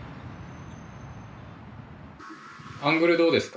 アングルどうですか？